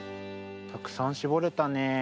たくさんしぼれたね。